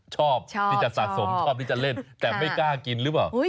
ชอบที่จะสะสมชอบที่จะเล่นแต่ไม่กล้ากินหรือเปล่า